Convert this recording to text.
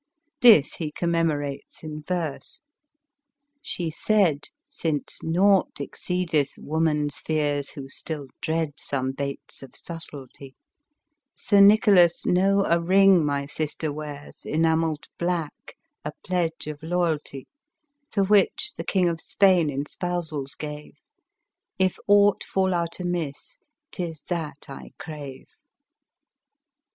This he com memorates in verse :'• She said (since nought exceedeth woman's fears, Who still dread some baits of subtlety,) ' Sir Nicholas, know a ring my sister wears, Enamelled black, a pledge of loyalty, The which the King of Spain in spousals gave, — If aught full out amiss, 'tis that I cravo.'